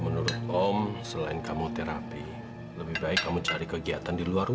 menderita di jakarta sendiri